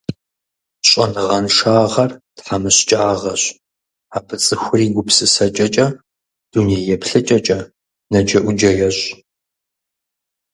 Щӏэныгъэншагъэр – тхьэмыщкӀагъэщ, абы цӀыхур и гупсысэкӀэкӀэ, дунейеплъыкӀэкӀэ нэджэӀуджэ ещӀ.